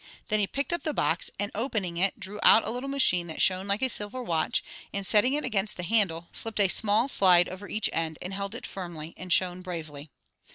Then he picked up the box, and opening it drew out a little machine that shone like a silver watch, and setting it against the handle, slipped a small slide over each end, and it held firmly, and shone bravely.